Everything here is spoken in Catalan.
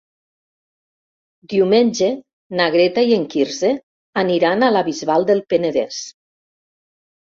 Diumenge na Greta i en Quirze aniran a la Bisbal del Penedès.